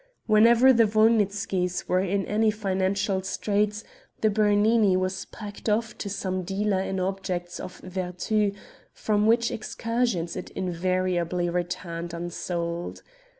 Whenever the Wolnitzkys were in any financial straits the Bernini was packed off to some dealer in objects of vertu, from which excursions it invariably returned unsold.